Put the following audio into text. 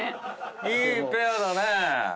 いいペアだね。